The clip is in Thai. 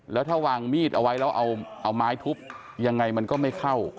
แล้วถ้าวางมีดเอาไว้แล้วเอาไม้ทุบยังไงมันก็ไม่เข้า